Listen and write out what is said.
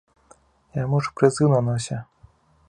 Яму ж прызыў на носе.